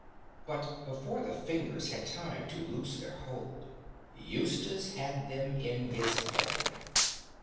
But before the fingers had time to loose their hold, Eustace had them in his own.